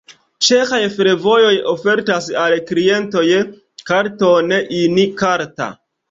Ĉeĥaj fervojoj ofertas al klientoj karton In-karta.